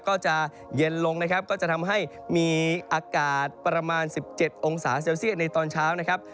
ก็จะเย็นลงนะครับก็จะทำให้มีอากาศประมาณ๑๗องศาเซลเซียตในตอนเช้านะครับ